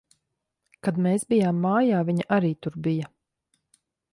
Kad mēs bijām mājā, viņa arī tur bija.